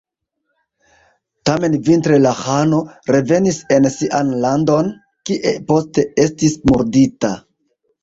Tamen vintre la ĥano revenis en sian landon, kie poste estis murdita.